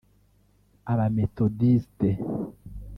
Abamethodiste